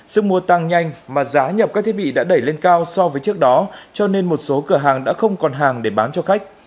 sức mua tăng nhanh mà giá nhập các thiết bị đã đẩy lên cao so với trước đó cho nên một số cửa hàng đã không còn hàng để bán cho khách